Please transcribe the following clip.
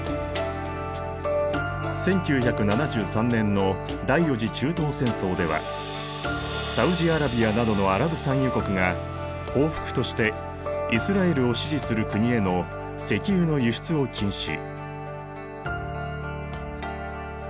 １９７３年の第４次中東戦争ではサウジアラビアなどのアラブ産油国が報復としてイスラエルを支持する国への石油の輸出を禁止。